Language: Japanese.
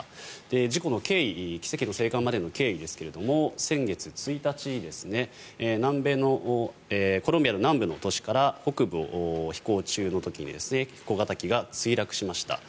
事故の経緯奇跡の生還までの経緯ですけれど先月１日、南米のコロンビア南部の都市から北部を飛行中の時に小型機が墜落しました。